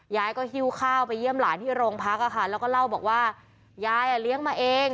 ยายก็หิ้วข้าวไปเยี่ยมหลานที่โรงพักอะค่ะแล้วก็เล่าบอกว่ายายอ่ะเลี้ยงมาเอง